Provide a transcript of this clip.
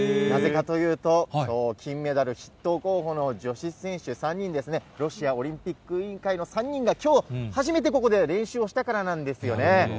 なぜかというと、きょう金メダル筆頭候補の女子選手３人ですね、ロシアオリンピック委員会の３人がきょう、初めてここで練習をしたからなんですよね。